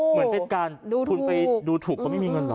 เหมือนเป็นการทุนไปดูถูกเขาไม่มีเงินเหรอ